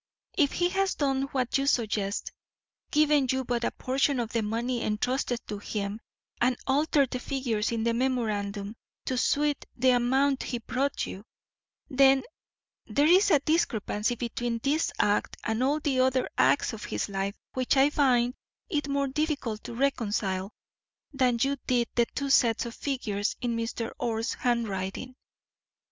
If he has done what you suggest, given you but a portion of the money entrusted to him and altered the figures in the memorandum to suit the amount he brought you, then there is a discrepancy between this act and all the other acts of his life which I find it more difficult to reconcile than you did the two sets of figures in Mr. Orr's handwriting.